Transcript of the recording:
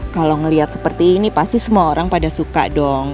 kalau ngelihat seperti ini pasti semua orang pada suka dong